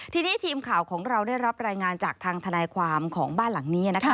ทีนี้ทีมข่าวของเราได้รับรายงานจากทางทนายความของบ้านหลังนี้นะคะ